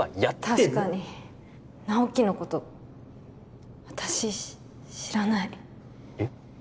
確かに直木のこと私知らないえっ？